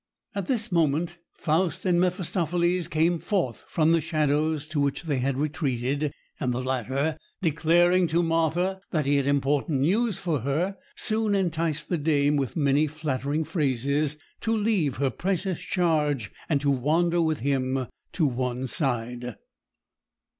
At this moment Faust and Mephistopheles came forth from the shadows to which they had retreated, and the latter, declaring to Martha that he had important news for her, soon enticed the dame, with many flattering phrases, to leave her precious charge and wander with him to one side.